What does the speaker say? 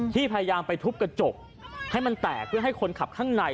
พยายามไปทุบกระจกให้มันแตกเพื่อให้คนขับข้างใน